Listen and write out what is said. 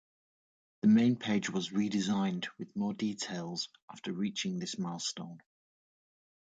The Main Page was re-designed with more details after reaching this milestone.